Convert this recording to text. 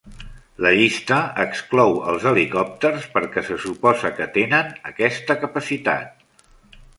La llista exclou als helicòpters perquè se suposa que tenen aquesta capacitat.